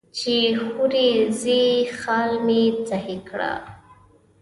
چې هورې ځې خال مې سهي کړه.